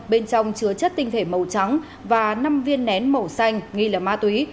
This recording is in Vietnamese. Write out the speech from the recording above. bên trong chứa chất tinh thể màu trắng và năm viên nén màu xanh nghi là ma túy